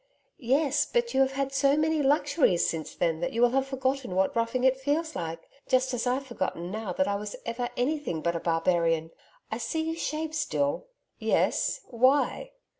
'Yes, but you have had so many luxuries since then that you will have forgotten what roughing it feels like just as I've forgotten now that I was ever anything but a barbarian I see you shave still.' 'Yes why?'